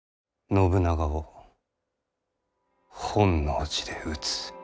信長を本能寺で討つ。